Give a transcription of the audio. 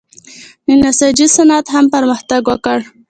د نساجۍ صنعت هم پرمختګ وکړ.